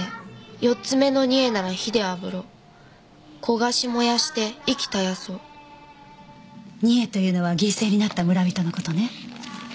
「四つ目の贄なら火で炙ろ」「焦がし燃やして息絶やそ」「贄」というのは犠牲になった村人の事ね。